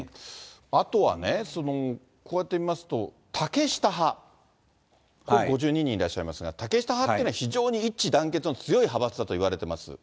あとはね、こうやって見ますと、竹下派、５２人いらっしゃいますが、竹下派というのは非常に一致団結の強い派閥だといわれています。